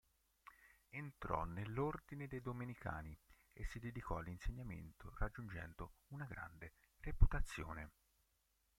Entrò nell'ordine di domenicani e si dedicò all'insegnamento raggiungendo una grande reputazione.